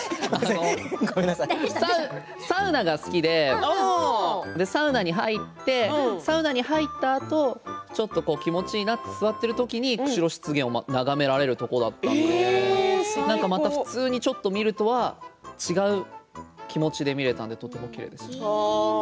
サウナが好きでサウナに入ってサウナに入ったあとちょっと気持ちいいなって座っている時に釧路湿原を眺められるところだったのでまた普通にちょっと見るのとは違う気持ちで見られたんでいいね。